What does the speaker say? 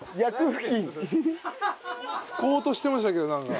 拭こうとしてましたけどなんか。